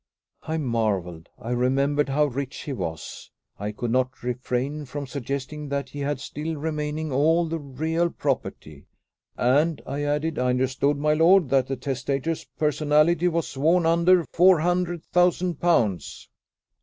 I marvelled. I remembered how rich he was. I could not refrain from suggesting that he had still remaining all the real property. "And," I added, "I understood, my lord, that the testator's personalty was sworn under four hundred thousand pounds."